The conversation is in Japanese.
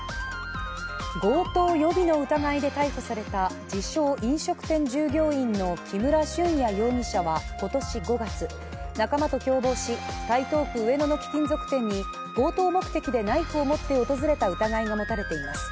強盗予備の疑いで逮捕された自称・飲食店従業員の木村俊哉容疑者は今年５月、仲間と共謀し、台東区上野の貴金属店に強盗目的でナイフを持って訪れた疑いが持たれています。